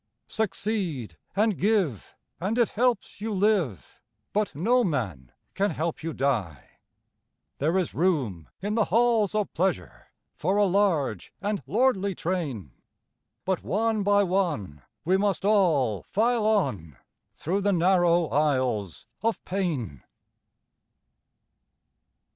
Succeed and give, and it helps you live, But no man can help you die. There is room in the halls of pleasure For a large and lordly train, But one by one we must all file on Through the narrow aisles of pain.